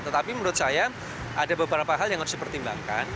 tetapi menurut saya ada beberapa hal yang harus dipertimbangkan